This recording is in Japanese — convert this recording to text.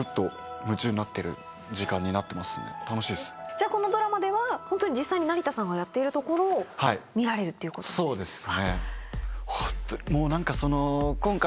じゃあこのドラマでは実際に成田さんがやっているところを見られるっていうことですか？